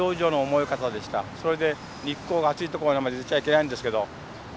それで日光があつい所まで出ちゃいけないんですけどあの。